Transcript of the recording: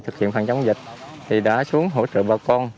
giống dịch thì đã xuống hỗ trợ bà con